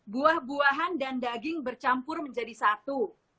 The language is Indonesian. buah buahan dan daging bercampur menjadi satu